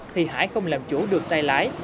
thì hải không làm chủ được tay lái